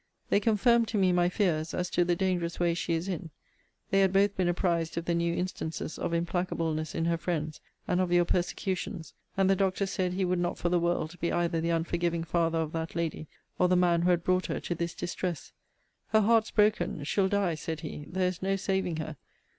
They confirmed to me my fears, as to the dangerous way she is in. They had both been apprized of the new instances of implacableness in her friends, and of your persecutions: and the doctor said he would not for the world be either the unforgiving father of that lady, or the man who had brought her to this distress. Her heart's broken: she'll die, said he: there is no saving her.